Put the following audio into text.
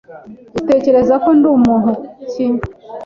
Utekereza ko ndi umuntu ki?